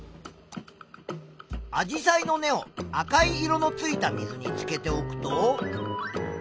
アジサイの根を赤い色のついた水につけておくと。